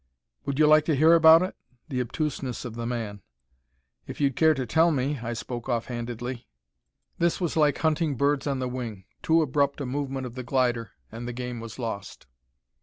"Would you like to hear about it?" The obtuseness of the man! "If you'd care to tell me." I spoke off handedly. This was like hunting birds on the wing: too abrupt a movement of the glider, and the game was lost.